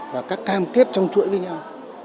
và các cam kết trong chuỗi với nhau